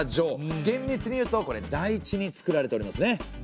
厳密に言うとこれ台地につくられておりますね。